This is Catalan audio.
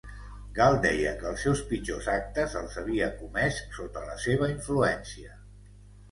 Gal deia que els seus pitjors actes els havia comès sota la seva influència.